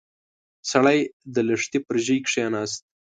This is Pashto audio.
سړی د لښتي پر ژۍ کېناست.